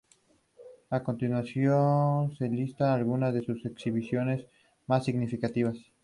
A continuación se listan algunas de sus exhibiciones más significativas.